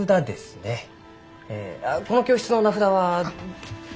えこの教室の名札は？